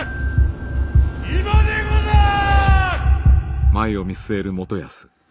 今でござる！